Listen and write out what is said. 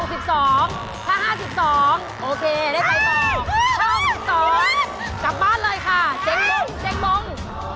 ถ้า๕๒โอเคได้รายต่อ๕๑๒กลับบ้านเลยค่ะเจ๊งมง